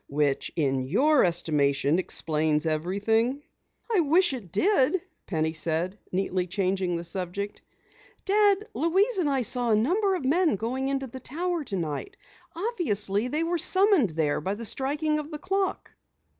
"Which in your estimation explains everything?" "I wish it did," Penny said, neatly changing the subject. "Dad, Louise and I saw a number of men going into the tower tonight. Obviously, they were summoned there by the striking of the clock."